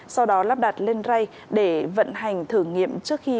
sau đó lắp đặt lên rây để vận hành thử nghiệm